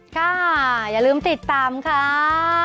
ค่ะอย่าลืมติดตามค่ะ